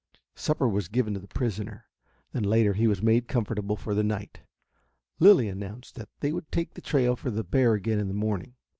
Supper was given to the prisoner, then later he was made comfortable for the night. Lilly announced that they would take the trail for bear again in the morning.